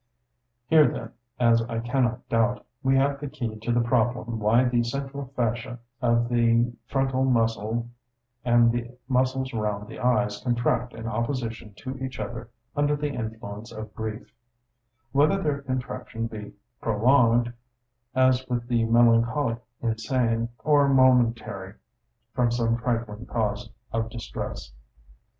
Here then, as I cannot doubt, we have the key to the problem why the central fasciae of the frontal muscle and the muscles round the eyes contract in opposition to each other under the influence of grief;—whether their contraction be prolonged, as with the melancholic insane, or momentary, from some trifling cause of distress.